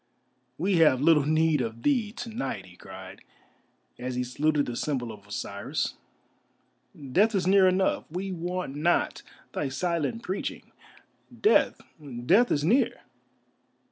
"We have little need of thee to night," he cried, as he saluted the symbol of Osiris. "Death is near enough, we want not thy silent preaching. Death, Death is near!"